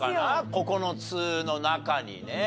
９つの中にね。